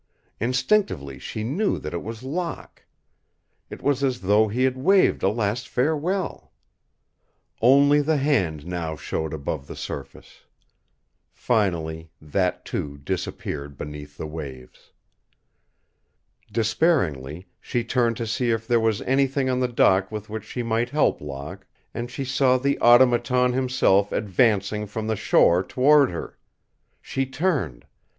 Instinctively she knew that it was Locke. It was as though he had waved a last farewell. Only the hand now showed above the surface. Finally that, too, disappeared beneath the waves. Despairingly she turned to see if there was anything on the dock with which she might help Locke and she saw the Automaton himself advancing from the shore toward her. She turned.